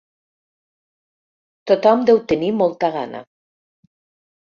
Tothom deu tenir molta gana.